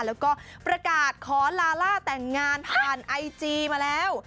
แล้วก็ประกาศขอลาล่าแต่งงานผ่านไอจีมาแล้ว